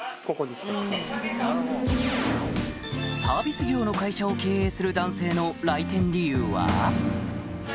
サービス業の会社を経営する男性の来店理由は？